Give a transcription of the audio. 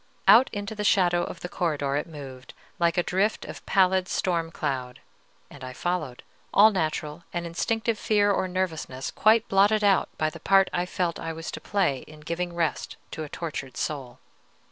Out into the shadow of the corridor it moved, like a drift of pallid storm cloud, and I followed, all natural and instinctive fear or nervousness quite blotted out by the part I felt I was to play in giving rest to a tortured soul.